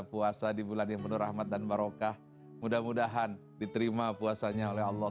puasa di bulan yang penuh rahmat dan barokah mudah mudahan diterima puasanya oleh allah